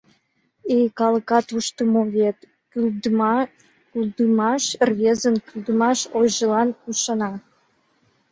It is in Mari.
Эй, калыкат ушдымо вет: кӱлдымаш рвезын кӱлдымаш ойжылан ӱшана.